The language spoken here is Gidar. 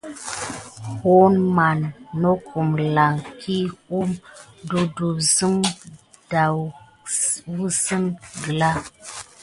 Waman nokum lan ki ump ɗuà sim sime ɗaou wisi gəlya.